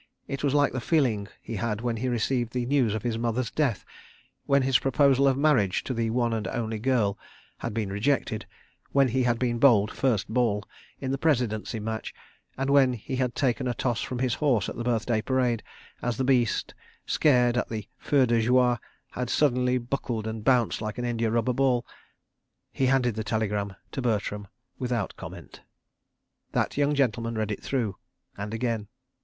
It was like the feeling he had when he received the news of his mother's death; when his proposal of marriage to the one and only girl had been rejected; when he had been bowled first ball in the Presidency Match, and when he had taken a toss from his horse at the Birthday Parade, as the beast, scared at the feu de joie, had suddenly bucked and bounced like an india rubber ball. ... He handed the telegram to Bertram without comment. That young gentleman read it through, and again.